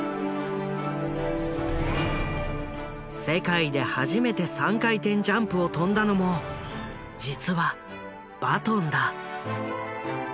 世界で初めて３回転ジャンプを跳んだのも実はバトンだ。